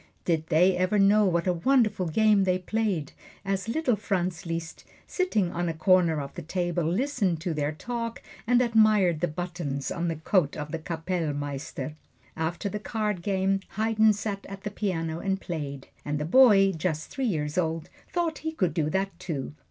Did they ever know what a wonderful game they played, as little Franz Liszt, sitting on a corner of the table, listened to their talk and admired the buttons on the coat of the Kappellmeister? After the card game Haydn sat at the piano and played, and the boy, just three years old, thought he could do that, too.